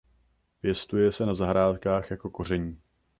Pěstuje se na zahrádkách jako koření.